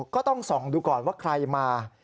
ก็ต้องส่องดูก่อนว่าใครมา